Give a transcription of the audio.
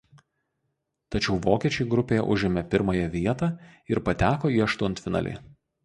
Tačiau vokiečiai grupėje užėmė pirmąją vietą ir pateko į aštuntfinalį.